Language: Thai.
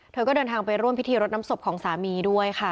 เธอก็เดินทางไปร่วมพิธีรดน้ำศพของสามีด้วยค่ะ